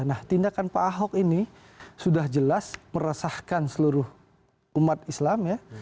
nah tindakan pak ahok ini sudah jelas meresahkan seluruh umat islam ya